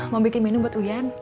mau bikin menu buat uyan